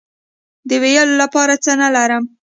د ویلو لپاره څه نه لرم